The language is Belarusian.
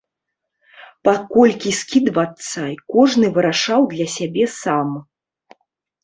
Па колькі скідвацца, кожны вырашаў для сябе сам.